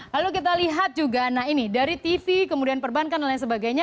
lalu kita lihat juga nah ini dari tv kemudian perbankan dan lain sebagainya